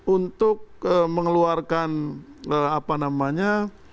untuk mengeluarkan apa namanya